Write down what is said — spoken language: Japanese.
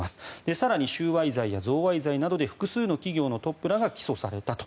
更に、収賄罪や贈賄罪などで複数の企業のトップらが起訴されたと。